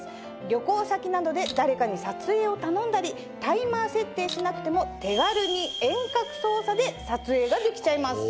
旅行先などで誰かに撮影を頼んだりタイマー設定しなくても。ができちゃいます。